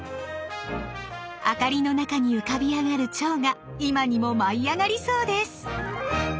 明かりの中に浮かび上がる蝶が今にも舞い上がりそうです。